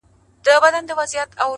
• الوتني کوي؛